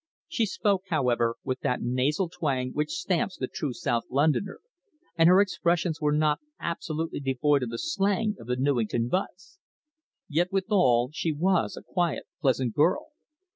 She spoke, however, with that nasal twang which stamps the true South Londoner, and her expressions were not absolutely devoid of the slang of the Newington Butts. Yet withal she was a quiet, pleasant girl.